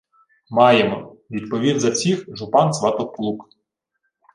— Маємо, — відповів за всіх жупан Сватоплук.